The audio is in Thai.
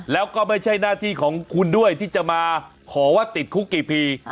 แล้วก็ไม่ใช่หน้าที่ของคุณด้วยที่จะมาขอว่าติดคุกกี่ปี